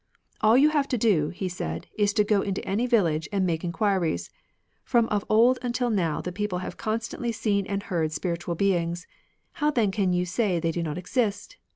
" All you have to do," he said, '' is to go into any village and make enquiries. From of old until now the people have constantly seen and heard spiritual beings ; how then can you say they do not exist